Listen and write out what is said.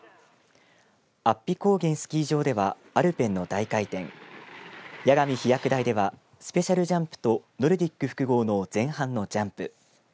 安比高原スキー場ではアルペンの大回転矢神飛躍台ではスペシャルジャンプとノルディック複合の前半のジャンプ。